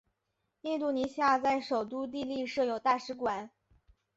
印度尼西亚在首都帝力设有大使馆。